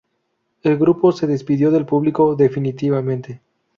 El grupo se despidió del público definitivamente.